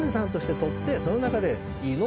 その中で。